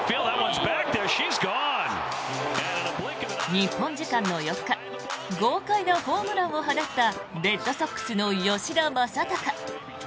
日本時間の４日豪快なホームランを放ったレッドソックスの吉田正尚。